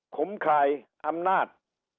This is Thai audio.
๒ขุมคายอำนาจ